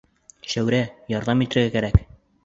Шәүрә, ярҙам итергә кәрәк.